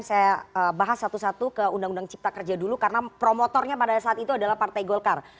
saya bahas satu satu ke undang undang cipta kerja dulu karena promotornya pada saat itu adalah partai golkar